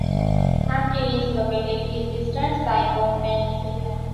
Ham Tin is located in eastern Sai Kung Peninsula.